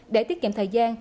để tiết kiệm thời gian